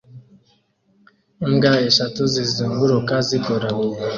Imbwa eshatu zizunguruka zigoramye